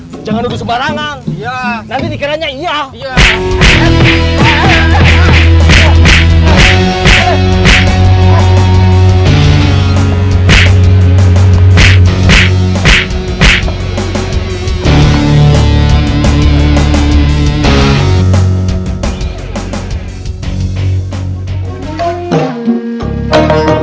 pasti gua ini sopet ya